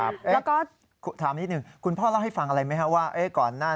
แล้วก็ถามนิดหนึ่งคุณพ่อเล่าให้ฟังอะไรไหมครับ